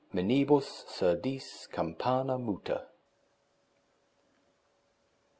MOENIBUS SURDIS CAMPANA MUTA.